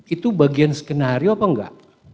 itu bagian skenario apa enggak